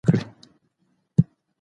به په تا څنګه باور کړي